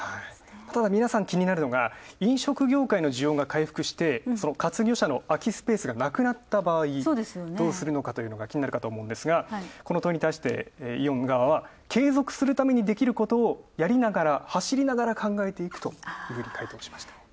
ただ皆さん気になるのが飲食業界が回復して活魚車の空きがなくなった場合どうするのかというのが、気になるかと思いますが、イオン側は継続するためにできることをやりながら走りながら考えていくというふうに回答しました。